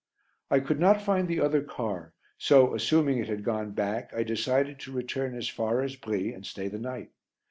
I could not find the other car, so, assuming it had gone back, I decided to return as far as Brie and stay the night.